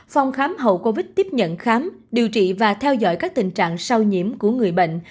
phòng khám hậu covid tiếp nhận khám điều trị và theo dõi các tình trạng sâu nhiễm của người bệnh